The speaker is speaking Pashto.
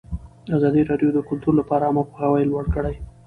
ازادي راډیو د کلتور لپاره عامه پوهاوي لوړ کړی.